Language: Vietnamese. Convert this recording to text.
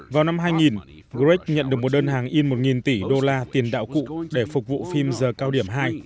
vào năm hai nghìn greg nhận được một đơn hàng in một tỷ đô la tiền đạo cụ để phục vụ phim giờ cao điểm hai